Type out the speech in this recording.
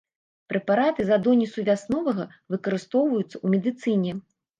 Прэпараты з адонісу вясновага выкарыстоўваюцца ў медыцыне.